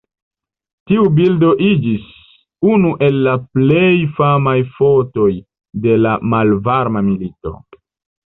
Tiu bildo iĝis unu el la plej famaj fotoj de la malvarma milito.